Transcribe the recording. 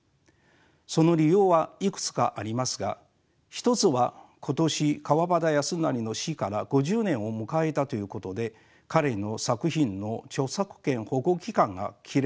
その理由はいくつかありますが一つは今年川端康成の死から５０年を迎えたということで彼の作品の著作権保護期間が切れたためでした。